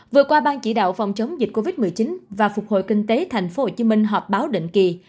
vừa qua ban chỉ đạo phòng chống dịch covid một mươi chín và phục hồi kinh tế tp hcm họp báo định kỳ